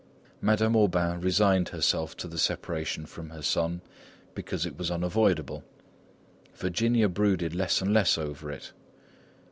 Madame Aubain resigned herself to the separation from her son because it was unavoidable. Virginia brooded less and less over it.